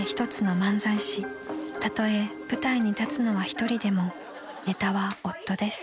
［たとえ舞台に立つのは一人でもネタは夫です］